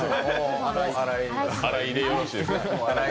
新井でよろしいですね。